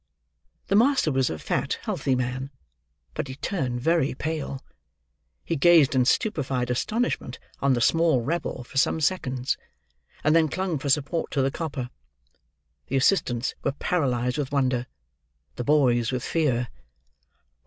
The master was a fat, healthy man; but he turned very pale. He gazed in stupefied astonishment on the small rebel for some seconds, and then clung for support to the copper. The assistants were paralysed with wonder; the boys with fear.